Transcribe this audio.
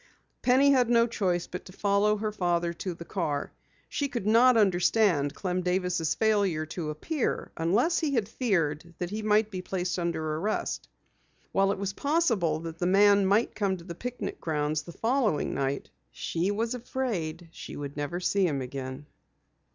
Penny had no choice but to follow her father to the car. She could not understand Clem Davis' failure to appear unless he had feared that he would be placed under arrest. While it was quite possible that the man might come to the picnic grounds the following night, she was afraid she would never see him again.